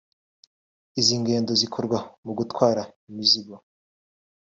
Izi ngendo zikorwa mu gutwara imizigo